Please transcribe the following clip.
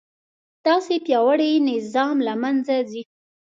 داسې پیاوړی نظام له منځه ځي.